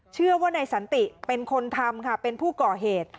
เชื่อว่านายสันติเป็นคนทำค่ะเป็นผู้ก่อเหตุ